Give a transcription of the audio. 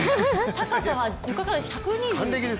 高さは床から１２５。